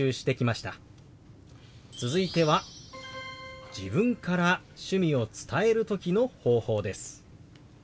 続いては自分から趣味を伝える時の方法です。